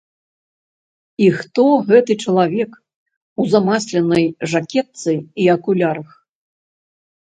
І хто гэты чалавек у замасленай жакетцы і акулярах?